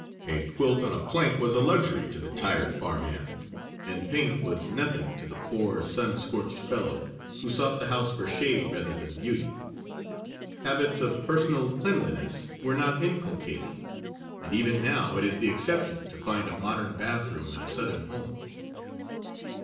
A quilt on a plank was a luxury to the tired farm hand, and paint was nothing to the poor, sun scorched fellow who sought the house for shade rather than beauty. Habits of personal cleanliness were not inculcated, and even now it is the exception to find a modern bath room in a Southern home.